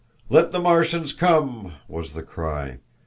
"Let the Martians come," was the cry.